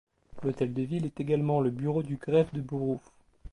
L'hôtel de Ville est également le bureau du greffe du Borough.